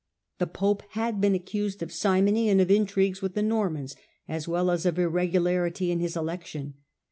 The pope had been accused of simony, and of intrigues with the Normans, as well as of irregu larity in his election.